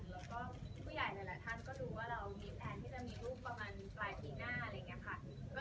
แล้วก็ผู้ใหญ่หลายท่านก็รู้ว่าเรามีแพลนที่จะมีลูกประมาณปลายปีหน้าอะไรอย่างนี้ค่ะ